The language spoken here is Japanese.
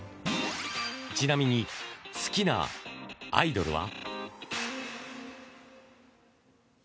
ちなみに、好きなアイドルは？